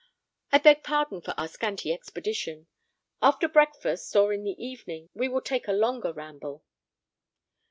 I beg pardon for our scanty expedition; after breakfast, or in the evening, we will take a longer ramble."